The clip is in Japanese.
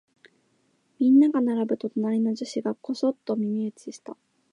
みんなが並ぶと、隣の女子がこそっと耳打ちした。